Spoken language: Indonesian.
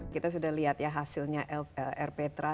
kita sudah lihat ya hasilnya elf lr petra